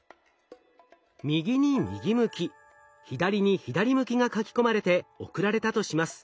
右に右向き左に左向きが書き込まれて送られたとします。